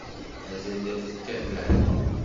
Mazal ad tekkat lehwa!